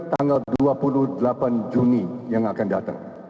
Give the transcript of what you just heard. tanggal dua puluh delapan juni yang akan datang